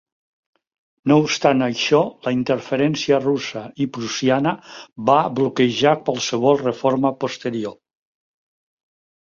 No obstant això, la interferència russa i prussiana va bloquejar qualsevol reforma posterior.